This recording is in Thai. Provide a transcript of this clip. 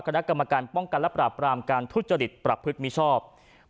คณะกรรมการป้องกันและปราบปรามการทุจริตประพฤติมิชอบ